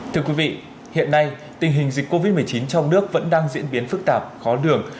thưa quý vị hiện nay tình hình dịch covid một mươi chín trong nước vẫn đang diễn biến phức tạp khó lường